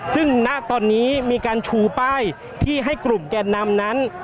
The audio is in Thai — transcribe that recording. ซึ่งณตอนนี้มีการชูป้ายที่ให้กลุ่มแกนนำนั้น